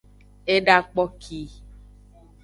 Eda kpoki.